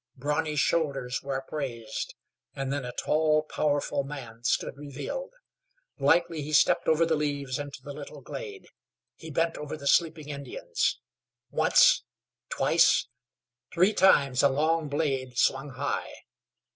Brawny shoulders were upraised, and then a tall, powerful man stood revealed. Lightly he stepped over the leaves into the little glade. He bent over the sleeping Indians. Once, twice, three times a long blade swung high.